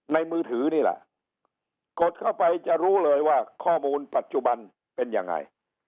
มือถือนี่แหละกดเข้าไปจะรู้เลยว่าข้อมูลปัจจุบันเป็นยังไง